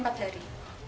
kurang lebih empat hari